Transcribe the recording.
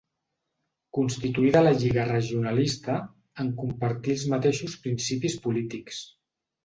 Constituïda la Lliga Regionalista, en compartí els mateixos principis polítics.